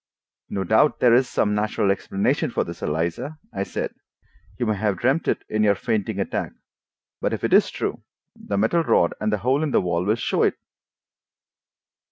"No doubt there is some natural explanation for it, Eliza," I said. "You may have dreamed it, in your 'fainting' attack. But if it is true, the metal rod and the hole in the wall will show it."